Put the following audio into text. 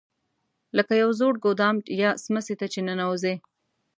لکه یو زوړ ګودام یا څمڅې ته چې ننوځې.